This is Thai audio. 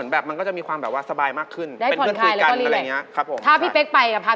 น่ากลัวจริงเลยคำนี้